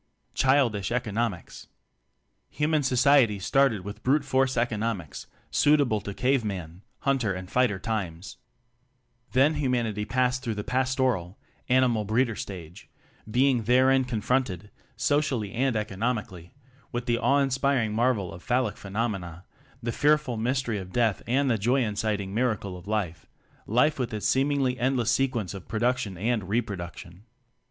Childish Economics. Human society started with Brute force Economics, suitable to Cave man Hunter .and Fighter times. Then humanity advanced through the Pastoral animal breeder stage, be ing therein confronted, socially and economically, with the awe inspiring marvel of phallic phenomena, the fear ful mystery of Death and the joy inciting miracle of Life life with its seemingly endless sequence of pro duction and reproduction.